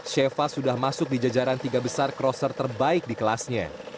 sheva sudah masuk di jajaran tiga besar crosser terbaik di kelasnya